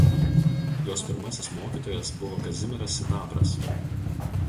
Jos pirmasis mokytojas buvo Kazimieras Sidabras.